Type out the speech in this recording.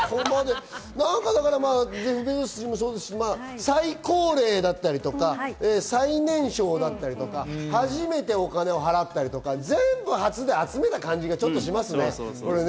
ジェフ・ベゾス氏もですが、最高齢だったりとか最年少だったりとか初めてお金を払ったりとか、全部、初で集めた感じがしますね。